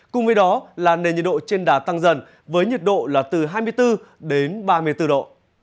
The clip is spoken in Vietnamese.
cùng với đó là nền nhiệt độ trên đà tăng dần với nhiệt độ là từ hai mươi bốn đến ba mươi bốn độ